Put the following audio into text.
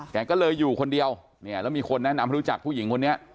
แกก็เลยอยู่คนเดียวเนี่ยแล้วมีคนแนะนำให้รู้จักผู้หญิงคนนี้